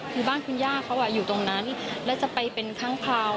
คือบ้านคุณย่าเขาอยู่ตรงนั้นแล้วจะไปเป็นค้างคาว